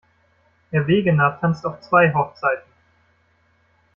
Herr Wegener tanzt auf zwei Hochzeiten.